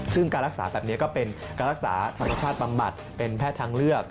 ซึ่งการรักษาแบบนี้ก็เป็นการรักษาธรรมชาติบำบัดเป็นแพทย์ทางเลือก